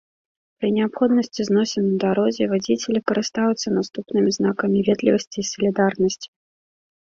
Пры неабходнасці зносін на дарозе вадзіцелі карыстаюцца наступнымі знакамі ветлівасці і салідарнасці.